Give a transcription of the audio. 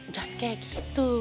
jangan kayak gitu